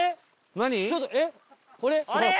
何？